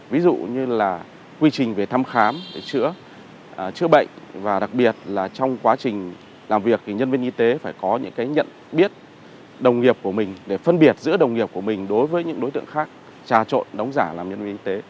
ví dụ như là quy trình về thăm khám để chữa chữa bệnh và đặc biệt là trong quá trình làm việc thì nhân viên y tế phải có những nhận biết đồng nghiệp của mình để phân biệt giữa đồng nghiệp của mình đối với những đối tượng khác trà trộn đóng giả làm nhân viên y tế